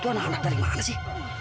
itu anak anak dari mana sih